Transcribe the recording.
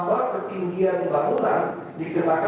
bukti ini akan terjadi